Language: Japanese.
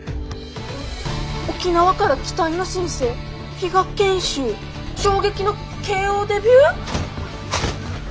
「沖縄から期待の新星比嘉賢秀、衝撃のＫＯデビュー」！？